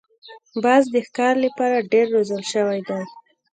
باز د ښکار لپاره ډېر روزل شوی دی